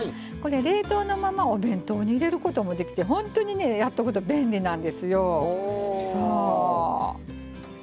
冷凍のまま、お弁当に入れることもできて本当にやっとくと便利なんですよ。